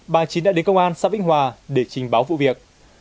bà chín đã đến công an xã vĩnh hòa để trình báo vụ việc